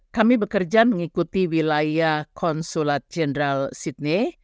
kami bekerja mengikuti wilayah konsulat jenderal sydney